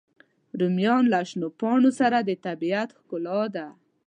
رومیان له شنو پاڼو سره د طبیعت ښکلا ده